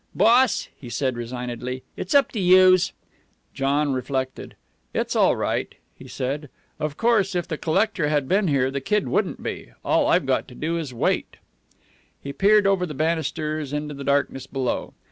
"Boss," he said resignedly, "it's up to youse." John reflected. "It's all right," he said. "Of course, if the collector had been here, the kid wouldn't be. All I've got to do is to wait." He peered over the banisters into the darkness below.